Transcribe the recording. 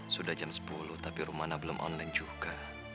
sudah jam sepuluh tapi rumahnya belum online juga